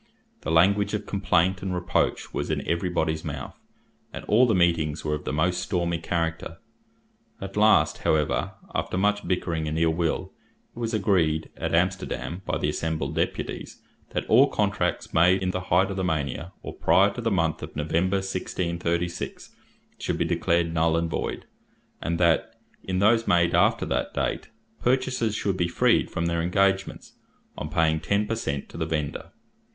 The language of complaint and reproach was in every body's mouth, and all the meetings were of the most stormy character. At last, however, after much bickering and ill will, it was agreed, at Amsterdam, by the assembled deputies, that all contracts made in the height of the mania, or prior to the month of November 1636, should be declared null and void, and that, in those made after that date, purchasers should be freed from their engagements, on paying ten per cent to the vendor.